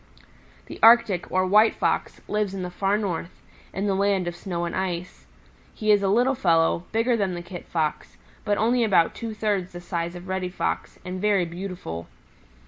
"The Arctic, or White Fox, lives in the Far North, in the land of snow and ice. He is a little fellow, bigger than the Kit Fox, but only about two thirds the size of Reddy Fox, and very beautiful.